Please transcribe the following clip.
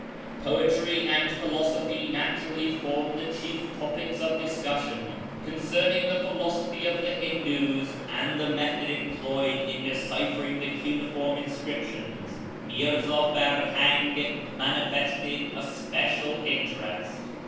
Poetry and philosojihy naturally formed the chief topics of discussion ; concerning the philosophy of the Hindus, and the method em ployed in deciphering the cuneiform inscriptions, Mirza Farhang manifested a special interest.